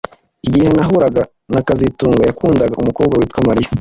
Igihe nahuraga na kazitunga yakundaga umukobwa witwa Mariya